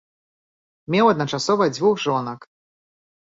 Меў адначасова дзвюх жонак.